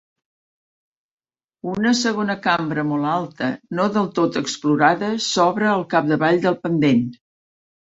Una segona cambra molt alta, no del tot explorada, s'obre al capdavall del pendent.